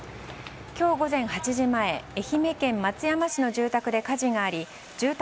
今日午前８時前愛媛県松山市の住宅で火事があり住宅